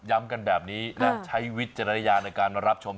ย้ำกันแบบนี้นะใช้วิจารณญาณในการรับชม